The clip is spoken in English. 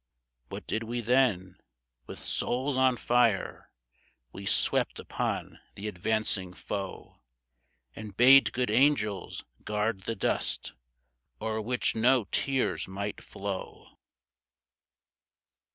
" What did we then ? With souls on fire We swept upon the advancing foe, And bade good angels guard the dust O'er which no tears might flow